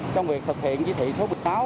trong việc thực hiện với thị số bệnh máu